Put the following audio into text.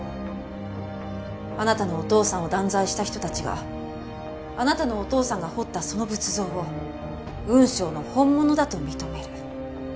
あなたのお父さんを断罪した人たちがあなたのお父さんが彫ったその仏像を雲尚の本物だと認める。